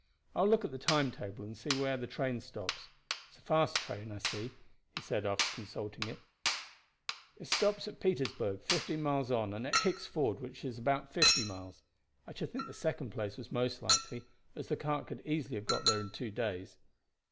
I will look at the timetable and see where that train stops. It is a fast train, I see," he said, after consulting it; it stops at Petersburg, fifteen miles on, and at Hicks Ford, which is about fifty miles. I should think the second place was most likely, as the cart could easily have got there in two days.